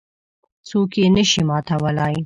څوک یې نه شي ماتولای.